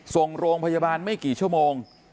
ส่งโรงพยาบาลไม่กี่ชั่วโมง